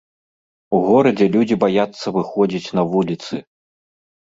У горадзе людзі баяцца выходзіць на вуліцы.